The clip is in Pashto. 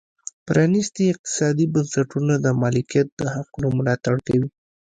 پرانیستي اقتصادي بنسټونه د مالکیت د حقونو ملاتړ کوي.